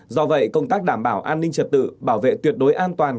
do vậy công tác đảm bảo an ninh trật tự bảo vệ tuyệt đối an toàn